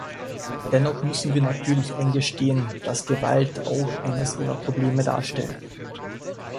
Dennoch müssen wir natürlich eingestehen, dass Gewalt auch eines ihrer Probleme darstellt.